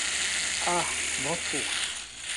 a! moku!